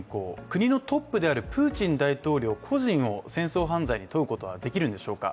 国のトップであるプーチン大統領個人を戦争犯罪に問うことはできるんでしょうか。